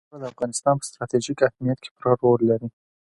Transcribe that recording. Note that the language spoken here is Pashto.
خاوره د افغانستان په ستراتیژیک اهمیت کې پوره رول لري.